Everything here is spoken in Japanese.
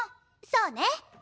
そうね。